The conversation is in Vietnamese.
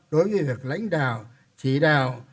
đối với việc lãnh đạo chỉ đạo